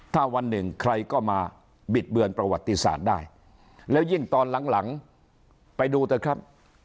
ถ้าวันหนึ่งใครก็มาบิดเบือนประวัติศาสตร์ได้แล้วยิ่งตอนหลังไปดูเถอะครับ